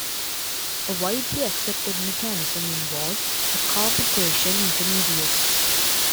A widely accepted mechanism involves a carbocation intermediate.